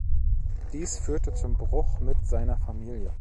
Dies führte zum Bruch mit seiner Familie.